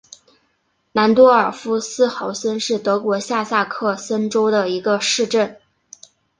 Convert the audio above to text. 兰多尔夫斯豪森是德国下萨克森州的一个市镇。